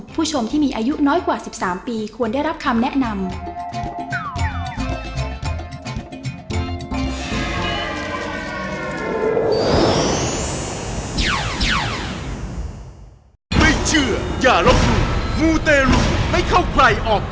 ผู้ชมที่มีอายุน้อยกว่า๑๓ปีควรได้รับคำแนะนำ